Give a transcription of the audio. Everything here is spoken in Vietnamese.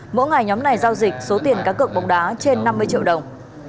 mỗi ngày nhóm này giao dịch số tiền cá cược bóng đá trên năm mươi triệu đồng